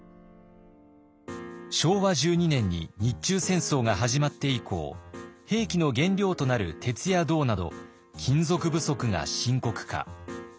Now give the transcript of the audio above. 昭和１２年に日中戦争が始まって以降兵器の原料となる鉄や銅など金属不足が深刻化。